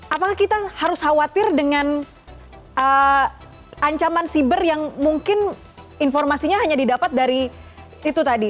apakah kita harus khawatir dengan ancaman siber yang mungkin informasinya hanya didapat dari itu tadi